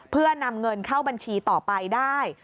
เพื่อนำเงินเข้าบัญชีต่อไปได้